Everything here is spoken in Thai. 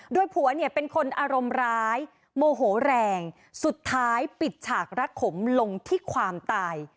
โดยผัวเนี่ยเป็นคนอารมณ์ร้ายโมโหแรงสุดท้ายปิดฉากรักขมลงที่ความตาย